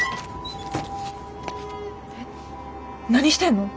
え何してんの？